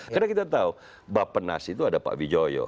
karena kita tahu bappenas itu ada pak wijoyo